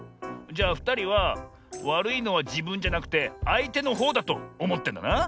じゃあふたりはわるいのはじぶんじゃなくてあいてのほうだとおもってんだな。